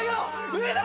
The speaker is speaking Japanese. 上だ！